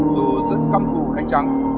dù rất căm thù khánh trắng